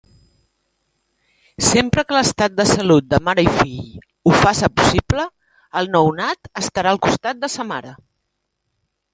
Sempre que l'estat de salut de mare i fill ho faça possible, el nounat estarà al costat de sa mare.